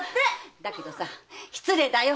だけど失礼だよ。